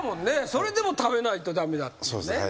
それでも食べないと駄目だっていうね。